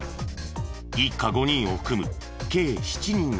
一家５人を含む計７人が亡くなった。